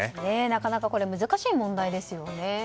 なかなか難しい問題ですよね。